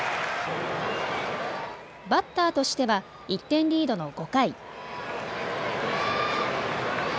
バッターとしては１点リードの５回。